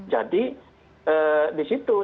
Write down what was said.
jadi di situ